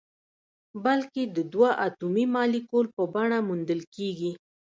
بلکې د دوه اتومي مالیکول په بڼه موندل کیږي.